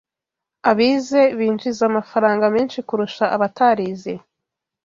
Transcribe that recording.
Abize binjiza amafaranga menshi kurusha abatarize